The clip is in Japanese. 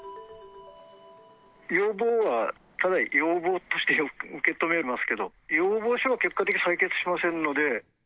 要望はただ要望として受け止めますけど、要望書を結果的に採決しませんので。